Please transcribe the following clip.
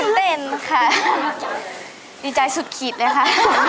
เล่นค่ะดีใจสุดขีดเลยค่ะ